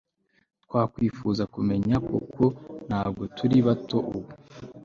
Twakwifuza kumenya kuko ntabwo turi bato ubu